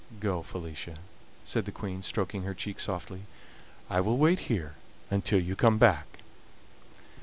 "Go, Felicia," said the Queen, stroking her cheek softly; "I will wait here until you come back."